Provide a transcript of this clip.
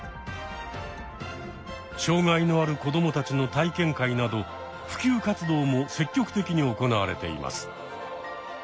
障害のある子どもたちの体験会など普及活動も積極的に行われています。